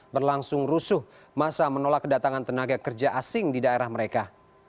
berlangsung rusuh masa menolak kedatangan tenaga kerja asing di daerah mereka